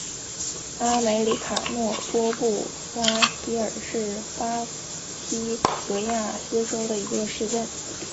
阿梅里卡诺多布拉西尔是巴西戈亚斯州的一个市镇。